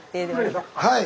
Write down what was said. はい。